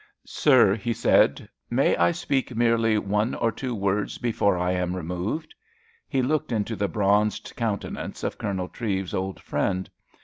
"Sir," he said, "may I speak merely one or two words before I am removed?" He looked into the bronzed countenance of Colonel Treves's old friend.